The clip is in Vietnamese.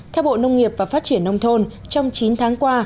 theo bộ nông nghiệp và phát triển nông thôn trong chín tháng qua